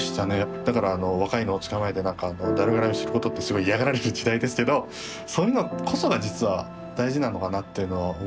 だから若いのをつかまえてダル絡みすることってすごい嫌がられる時代ですけどそういうのこそが実は大事なのかなっていうのは思ったんで。